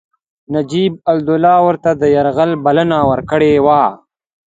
نجیب الدوله ورته د یرغل بلنه ورکړې وه.